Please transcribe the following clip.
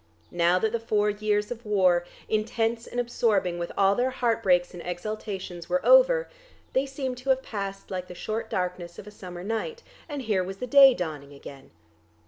Now that the four years of war, intense and absorbing with all their heart breaks and exultations, were over, they seemed to have passed like the short darkness of a summer night, and here was day dawning again.